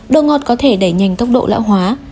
một đồ ngọt có thể đẩy nhanh tốc độ lão hóa